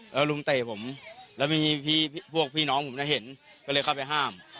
แล้วลุงเตะผมแล้วมีพี่พวกพี่น้องผมเห็นก็เลยเข้าไปห้าม